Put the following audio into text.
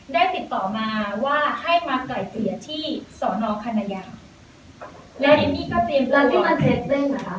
ได้ติดต่อมาว่าให้มาไก่เตรียดที่สอนอคันยาแล้วเอ็มมี่ก็เตรียมดูว่า